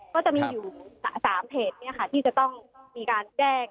ก็จะมีอยู่๓เพจที่จะต้องมีการแจ้ง